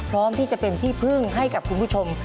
พร้อมที่จะเป็นที่พึ่งให้กับคุณผู้ชม